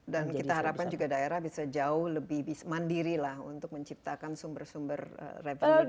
dan kita harapkan juga daerah bisa jauh lebih mandiri lah untuk menciptakan sumber sumber revenue